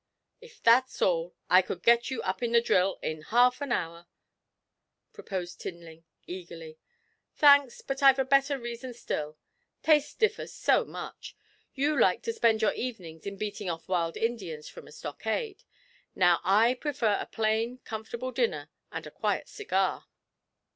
'If that's all, I could get you up in the drill in half an hour,' proposed Tinling, eagerly. 'Thanks, but I have a better reason still. Tastes differ so much. You like to spend your evenings in beating off wild Indians from a stockade. Now, I prefer a plain, comfortable dinner, and a quiet cigar.